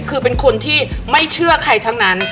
คือเป็นคนที่ไม่เชื่อใครทั้งนั้น